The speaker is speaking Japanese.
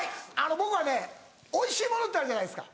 僕はねおいしいものってあるじゃないですか。